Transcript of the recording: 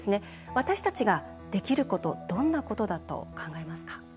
私たちができることどんなことだと考えますか？